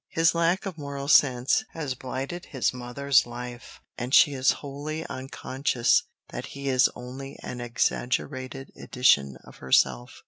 His lack of moral sense has blighted his mother's life, and she is wholly unconscious that he is only an exaggerated edition of herself.